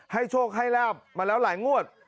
โชคให้ลาบมาแล้วหลายงวด